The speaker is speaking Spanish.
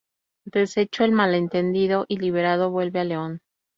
Deshecho el malentendido y liberado vuelve a León.